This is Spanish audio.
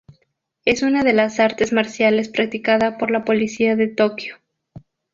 Es una de las artes marciales practicada por la policía de Tokio.